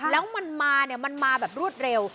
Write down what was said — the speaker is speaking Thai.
แล้วมันมาเนี่ยมันมาแบบรวดเร็ว